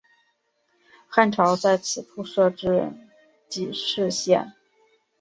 汉朝在此处设置己氏县。